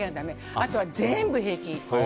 あとは全部平気。